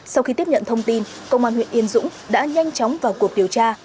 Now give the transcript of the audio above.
sau khi tiếp nhận thông tin công an huyện yên dũng đã nhanh chóng vào cuộc điều tra